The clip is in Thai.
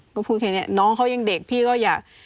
ก็พูดแค่นี้น้องเขายังเด็กพี่ก็อยาก